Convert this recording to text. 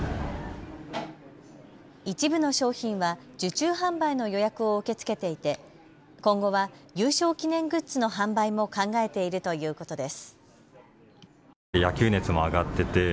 一部の商品は受注販売の予約を受け付けていて今後は優勝記念グッズの販売も考えているということです。